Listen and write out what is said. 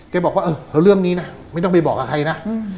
บอกว่าเออแล้วเรื่องนี้นะไม่ต้องไปบอกกับใครนะ